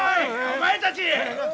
お前たち！